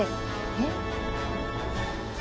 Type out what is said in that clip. えっ？